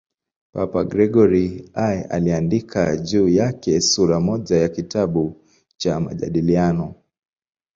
Papa Gregori I aliandika juu yake sura moja ya kitabu cha "Majadiliano".